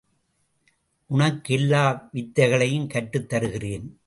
உனக்கு எல்லா வித்தைகளையும் கற்றுத் தருகிறேன்.